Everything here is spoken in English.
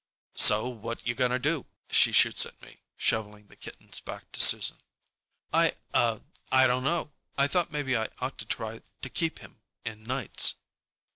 "So what you going to do?" she shoots at me, shoveling the kittens back to Susan. "I—uh—I dunno. I thought maybe I ought to try to keep him in nights."